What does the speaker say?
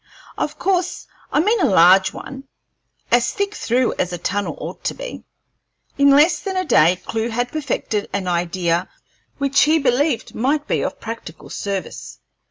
"Of course I mean a large one, as thick through as a tunnel ought to be." In less than a day Clewe had perfected an idea which he believed might be of practical service.